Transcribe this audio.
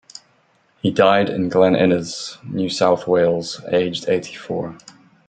He died in Glen Innes, New South Wales, aged eighty-four.